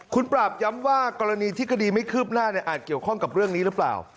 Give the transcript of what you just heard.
คุณปราบย้ำว่ากรณีที่คดีไม่คืบหน้าอาจเกี่ยวข้องกับเรื่องนี้หรือเปล่า